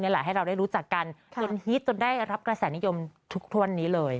ให้เราได้รู้จักกันจนฮิตจนได้รับกระแสนิยมทุกวันนี้เลย